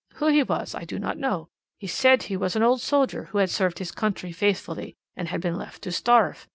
Who he was I do not know. He said he was an old soldier who had served his country faithfully, and then been left to starve.